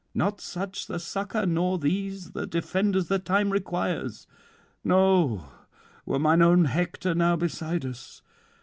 Not such the succour nor these the defenders the time requires: no, were mine own Hector now beside us.